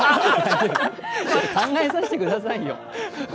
考えさせてくださいよ。